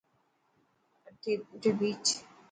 آٺي ڀيهچ.